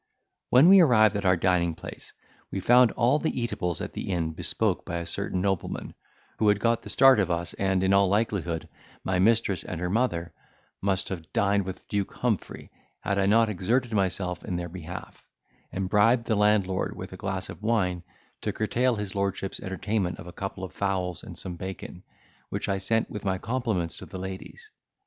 When we arrived at our dining place, we found all the eatables at the inn bespoke by a certain nobleman, who had got the start of us and, in all likelihood, my mistress and her mother must have dined with Duke Humphrey, had I not exerted myself in their behalf, and bribed the landlord with a glass of wine to curtail his lordship's entertainment of a couple of fowls and some bacon, which I sent with my compliments to the ladies.